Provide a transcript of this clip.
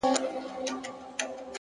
مثبت انسان د امید اور بل ساتي’